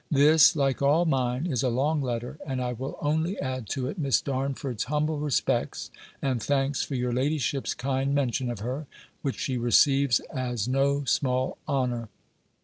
This (like all mine) is a long letter; and I will only add to it Miss Darnford's humble respects, and thanks for your ladyship's kind mention of her, which she receives as no small honour.